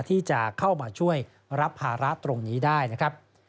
ที่จะเข้ามาช่วยรับภาระตรงนี้ได้นะครับ